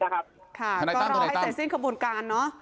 ก็รอให้เสร็จสิ้นขบวนการเนอะ